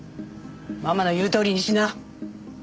ママの言うとおりにしな。